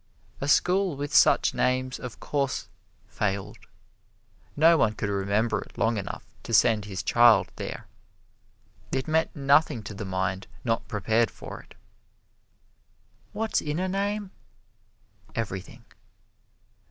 A school with such names, of course, failed. No one could remember it long enough to send his child there it meant nothing to the mind not prepared for it. What's in a name? Everything.